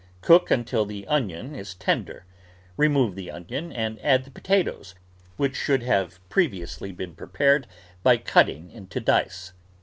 Cook until the onion is tender. Remove the onion and add the potatoes, which should have previously been prepared by cutting into dice.